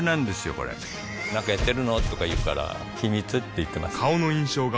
これなんかやってるの？とか言うから秘密って言ってます